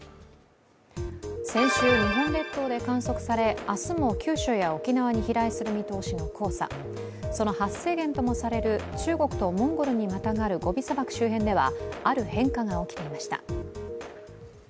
先週日本列島で観測され明日も九州や沖縄に飛来するおそれのある黄砂その発生源ともされる中国とモンゴルにまたがるゴビ砂漠周辺では、ある変化が起きていました。